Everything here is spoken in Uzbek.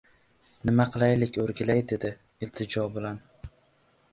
— Nima qilaylik, o‘rgilay, — dedi iltijo bilan.